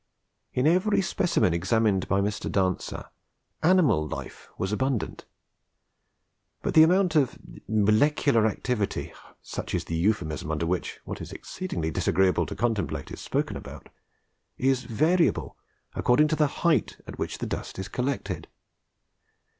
In every specimen examined by Mr. Dancer animal life was abundant. But the amount of 'molecular activity'—such is the euphuism under which what is exceedingly disagreeable to contemplate is spoken about—is variable according to the height at which the dust is collected.